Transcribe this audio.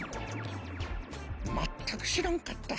まったくしらんかった。